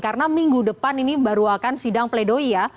karena minggu depan ini baru akan sidang pleidoya